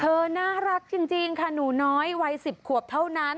น่ารักจริงค่ะหนูน้อยวัย๑๐ขวบเท่านั้น